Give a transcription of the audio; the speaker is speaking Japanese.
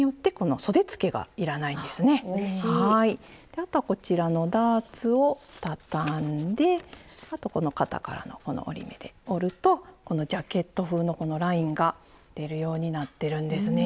であとはこちらのダーツをたたんであとこの肩からの折り目で折るとこのジャケット風のラインが出るようになってるんですね。